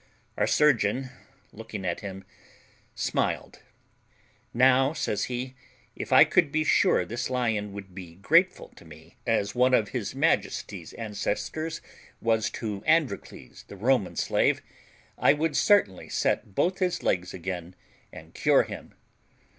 Our surgeon, looking at him, smiled. "Now," says he, "if I could be sure this lion would be as grateful to me as one of his majesty's ancestors was to Androcles, the Roman slave, I would certainly set both his legs again and cure him."